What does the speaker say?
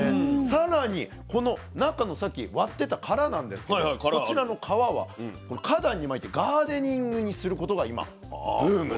さらにこの中のさっき割ってた殻なんですけどこちらの殻は花壇にまいてガーデニングにすることが今ブームだと。